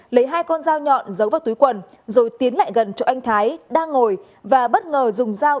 lấy hai con dao nhọn giấu vào túi quần rồi tiến lại gần chỗ anh thái đang ngồi và bất ngờ dùng dao